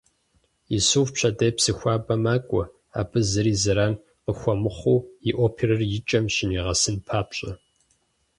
Исуф пщэдей Псыхуабэ макӏуэ, абы зыри зэран къыхуэмыхъуу, и оперэр икӏэм щынигъэсын папщӏэ.